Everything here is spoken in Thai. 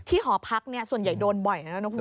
ที่หอพักนี่ส่วนใหญ่โดนบ่อยนะครับคุณผู้ชม